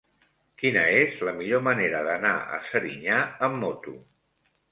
Quina és la millor manera d'anar a Serinyà amb moto?